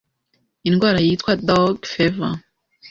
indwara yitwa dengue fever